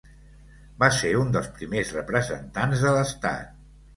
Va ser un dels primers representants de l'estat.